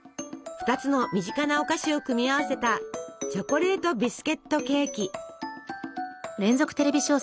２つの身近なお菓子を組み合わせたチョコレートビスケットケーキ。